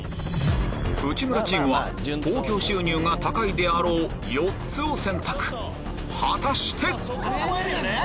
内村チームは興行収入が高いであろう４つを選択果たして⁉何？